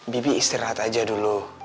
bibi istirahat aja dulu